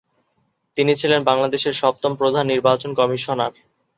তিনি ছিলেন বাংলাদেশের সপ্তম প্রধান নির্বাচন কমিশনার।